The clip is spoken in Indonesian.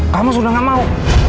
kamu sudah gak mau